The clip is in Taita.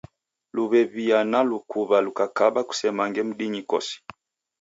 Luw'ew'ia na lukuw'a lukakaba kusemange mdinyi kosi.